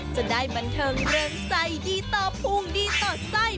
จะได้บันเทิงเริงใจดีต่อภูมิดีต่อไส้